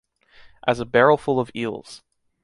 As a barrel full of eels.